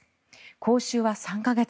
講習は３か月。